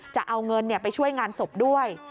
จะเอาเงินไปช่วยงานศพด้วย